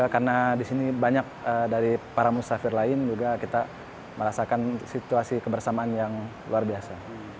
karena di sini banyak dari para musafir lain kita merasakan situasi kebersamaan yang luar biasa